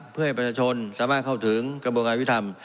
เพื่อให้ประชาชนสามารถเข้าถึงกระบวนการวิทธรรม